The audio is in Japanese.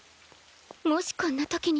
もしこんなときに。